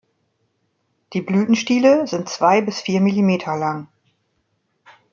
Die Blütenstiele sind zwei bis vier Millimeter lang.